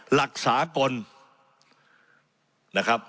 หลักสากลนะครับ